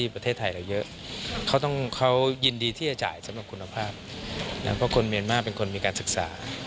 เพราะคนเมียนม่าเป็นคนมีการศึกษา